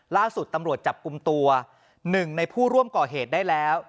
ล่าสุดตำรวจจับกลุ่มตัว๑ในผู้ร่วมก่อเหตุได้แล้ว